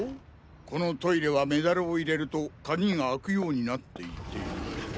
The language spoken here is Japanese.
このトイレはメダルを入れると鍵が開くようになっていて。